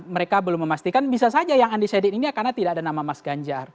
mereka belum memastikan bisa saja yang undecided ini karena tidak ada nama mas ganjar